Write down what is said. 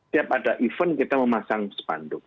tiap ada event kita memasang spanduk